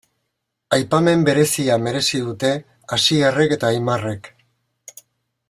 Aipamen berezia merezi dute Asierrek eta Aimarrek.